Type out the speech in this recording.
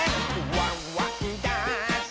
「ワンワンダンス！」